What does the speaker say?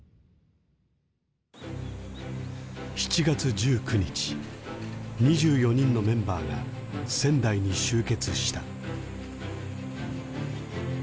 ７月１９日２４人のメンバーが仙台に集結した。